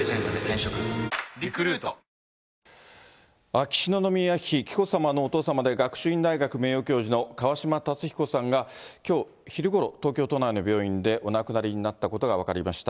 秋篠宮妃紀子さまのお父様で、学習院大学名誉教授の川嶋辰彦さんが、きょう昼ごろ、東京都内の病院でお亡くなりになったことが分かりました。